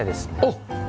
あっ！